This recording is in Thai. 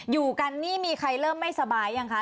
อยู่กันนี่มีใครเริ่มไม่สบายยังคะ